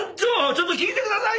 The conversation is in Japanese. ちょっと聞いてくださいよ。